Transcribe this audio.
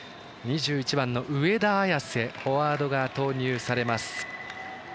２１番の上田綺世フォワードが投入されます。